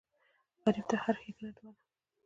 غریب ته هره ښېګڼه دعا ده